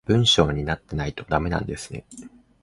文章になってないとダメなんですね